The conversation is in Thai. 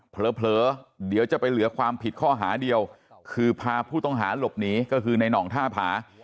เผลอเดี๋ยวจะไปเหลือความผิดข้อหาเดียวคือพาผู้ต้องหาหลบหนีก็คือในห่องท่าผา